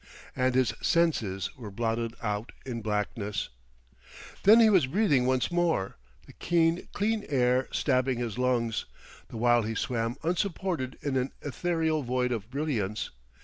And his senses were blotted out in blackness.... Then he was breathing once more, the keen clean air stabbing his lungs, the while he swam unsupported in an ethereal void of brilliance.